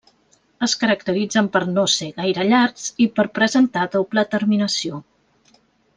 Es caracteritzen per no ser gaire llargs i per presentar doble terminació.